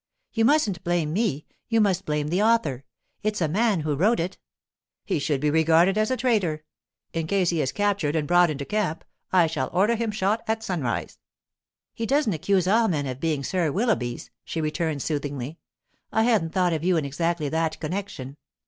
'You mustn't blame me—you must blame the author. It's a man who wrote it.' 'He should be regarded as a traitor. In case he is captured and brought into camp, I shall order him shot at sunrise.' 'He doesn't accuse all men of being Sir Willoughbys,' she returned soothingly. 'I hadn't thought of you in exactly that connexion.